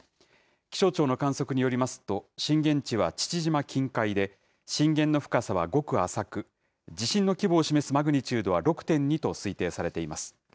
気象庁の観測によりますと、震源地は父島近海で、震源の深さはごく浅く、地震の規模を示すマグニチュードは６．２と推定されています。